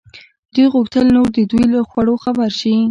دوی غوښتل نور د دوی له خوړو خبر شي.